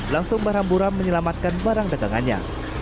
langsung berhamburan menyelamatkan barang dagangannya